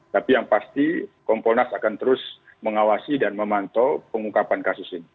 tapi yang pasti kompolnas akan terus mengawasi dan memantau pengungkapan kasus ini